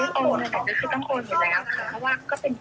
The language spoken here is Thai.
แต่เนี้ยเราก็ขออย่างขอ๒๐๐๐๐บาทเขาก็โอนมา๒๐๐๐บาท